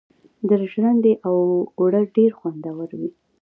د ژرندې اوړه ډیر خوندور وي.